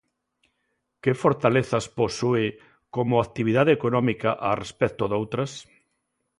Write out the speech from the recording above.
Que fortalezas posúe como actividade económica a respecto doutras?